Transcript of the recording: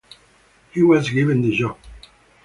He was given the job.